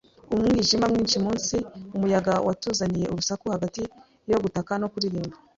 umwijima mwinshi munsi, umuyaga watuzaniye urusaku hagati yo gutaka no kuririmba.